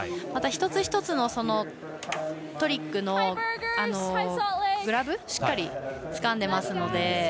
また一つ一つのトリックのグラブしっかりつかんでいますので。